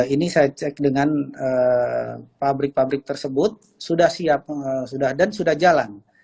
ini saya cek dengan pabrik pabrik tersebut sudah siap dan sudah jalan